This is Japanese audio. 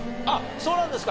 そうなんですか。